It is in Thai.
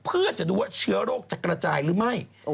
เพื่อจะดูว่าเชื้อโรคจะกระจายหรือไม่